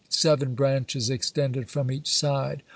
Seven branches extended from each side.